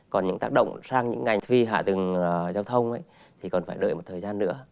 còn những tác động sang những ngành phi hạ tầng giao thông thì còn phải đợi một thời gian nữa